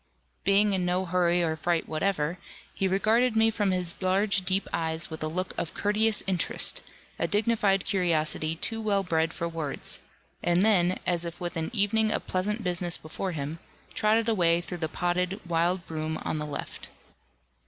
Being in no hurry or fright whatever, he regarded me from his large deep eyes with a look of courteous interest, a dignified curiosity too well bred for words; and then, as if with an evening of pleasant business before him, trotted away through the podded wild broom on the left.